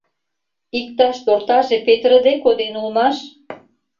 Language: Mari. — Иктаж тортаже петырыде коден улмаш!